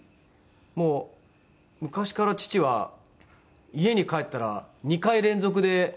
もう昔から父は家に帰ったら２回連続で見るみたいです。